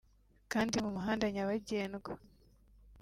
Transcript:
kandi mu muhanda nyabagendwa”